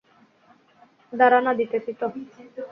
দাঁড়া না, দিতেছি তো!